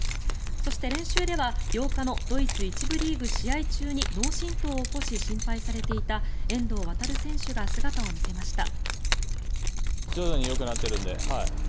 そして、練習では８日のドイツ１部リーグ試合中に脳振とうを起こし心配されていた遠藤航選手が姿を見せました。